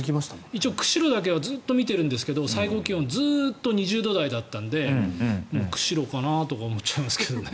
一応、釧路だけはずっと見てるんですけど最高気温ずっと２０度台だったので釧路かなとか思っちゃいますけどね。